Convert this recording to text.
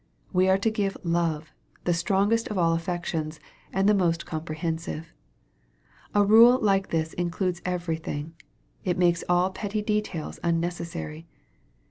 We are to give love, the strongest of all affections, and the most comprehensive. A rule like this includes every thing. It makes all petty details unnecessary.